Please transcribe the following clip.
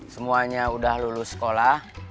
semuanya udah lulus sekolah